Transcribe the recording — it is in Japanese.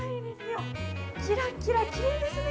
キラキラきれいですね。